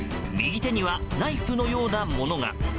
右手にはナイフのようなものが。